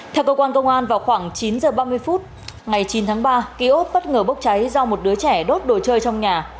theo cơ quan công an vào khoảng chín h ba mươi phút ngày chín tháng ba kiosk bất ngờ bốc cháy do một đứa trẻ đốt đồ chơi trong nhà